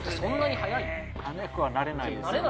・早くはなれないですよね